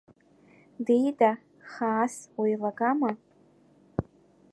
Ди-ида, хаас, уеилагама?